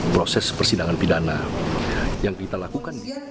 proses persidangan pidana yang kita lakukan